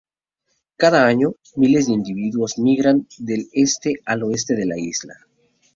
Cada año, miles de individuos migran del este al oeste de la isla.